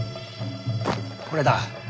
これだ。